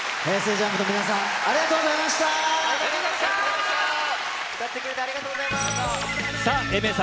ＪＵＭＰのありがとうございました。